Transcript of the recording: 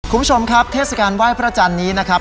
คุณผู้ชมครับเทศกาลไหว้พระจันทร์นี้นะครับ